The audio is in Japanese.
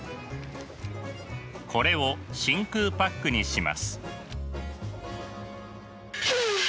これを真空パックにします。